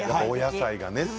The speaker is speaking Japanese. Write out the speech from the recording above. お野菜がね